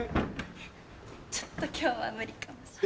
ちょっと今日は無理かもしれないです。